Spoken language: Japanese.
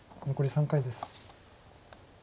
残り３回です。